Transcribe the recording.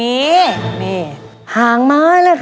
แล้ววันนี้ผมมีสิ่งหนึ่งนะครับเป็นตัวแทนกำลังใจจากผมเล็กน้อยครับ